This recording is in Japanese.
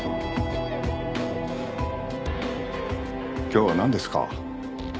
今日はなんですか？